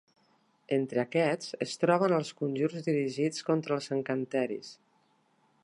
Entre aquests es troben els conjurs dirigits contra els encanteris.